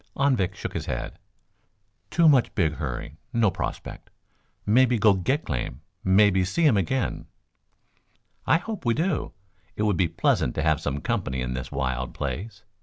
Anvik shook his head. "Too much big hurry. No prospect. Mebby go get claim. Mebby see um again." "I hope we do. It would be pleasant to have some company in this wild place.